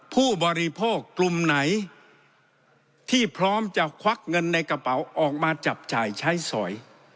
ผู้บริโภคกลุ่มไหนที่พร้อมจะควักเงินในกระเป๋าออกมาจับจ่ายใช้สอย